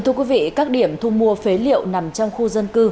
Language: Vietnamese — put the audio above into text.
thưa quý vị các điểm thu mua phế liệu nằm trong khu dân cư